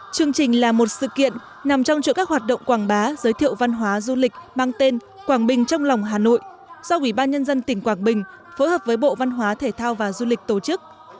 chương trình là một sự kiện nằm trong chuỗi các hoạt động quảng bá giới thiệu văn hóa du lịch mang tên quảng bình trong lòng hà nội do ủy ban nhân dân tỉnh quảng bình phối hợp với bộ văn hóa thể thao và du lịch tổ chức